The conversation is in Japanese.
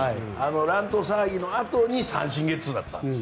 乱闘騒ぎのあとに三振、ゲッツーだったんです。